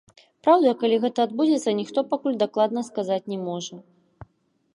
Праўда, калі гэта адбудзецца, ніхто пакуль дакладна сказаць не можа.